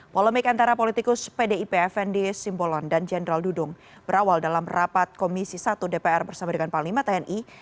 polemik antara politikus pdip fnd simbolon dan jenderal dudung berawal dalam rapat komisi satu dpr bersama dengan panglima tni